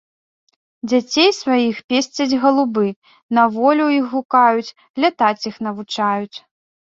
Дзяцей сваіх песцяць галубы, на волю іх гукаюць, лятаць іх навучаюць.